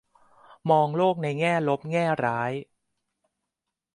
มองโลกในแง่ลบแง่ร้าย